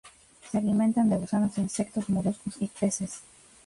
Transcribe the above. Se alimentan de gusanos, insectos moluscos y peces.